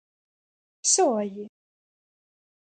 ¿Sóalle?